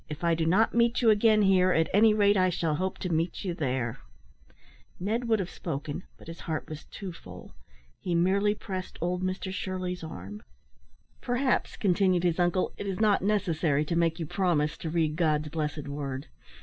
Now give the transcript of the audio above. If I do not meet you again here at any rate I shall hope to meet you there." Ned would have spoken, but his heart was too full. He merely pressed old Mr Shirley's arm. "Perhaps," continued his uncle, "it is not necessary to make you promise to read God's blessed Word.